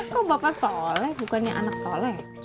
kok bapak sholeh bukannya anak sholeh